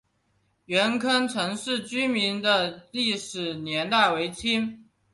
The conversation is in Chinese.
元坑陈氏民居的历史年代为清。